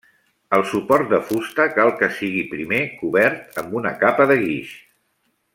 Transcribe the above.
El suport de fusta cal que sigui primer cobert amb una capa de guix.